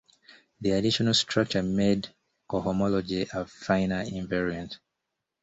The additional structure made cohomology a finer invariant.